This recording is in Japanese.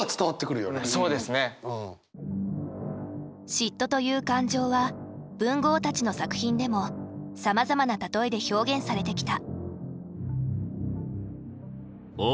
嫉妬という感情は文豪たちの作品でもさまざまなたとえで表現されてきた。